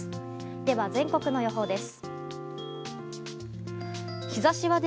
では全国の予報です。